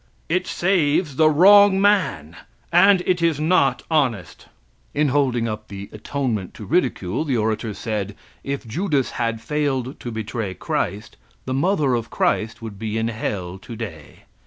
It saves the wrong man, and it is not honest. (In holding up the atonement to ridicule the orator said: "If Judas had failed to betray Christ, the mother of Christ would be in hell today."